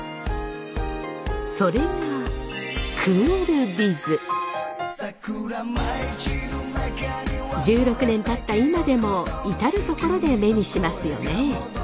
それが１６年たった今でも至る所で目にしますよね。